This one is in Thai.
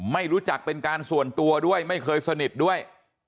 ไม่รู้จักเป็นการส่วนตัวด้วยไม่เคยสนิทด้วย